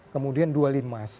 kemudian dua limas